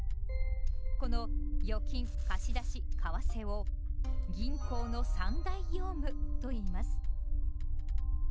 この「預金」「貸出」「為替」を「銀行の三大業務」といいます。